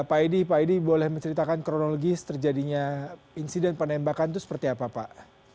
pak aidi boleh menceritakan kronologis terjadinya insiden penembakan itu seperti apa pak